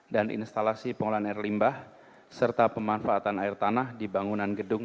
instalasi pengelolaan air limbah serta pemanfaatan air tanah di bangunan gedung